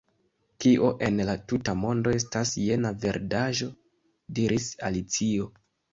"Kio en la tuta mondo estas jena verdaĵo?" diris Alicio, "